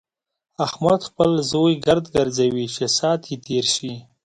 احمد خپل زوی ګرد ګرځوي چې ساعت يې تېر شي.